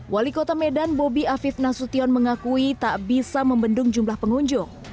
wali kota medan bobi afif nasution mengakui tak bisa membendung jumlah pengunjung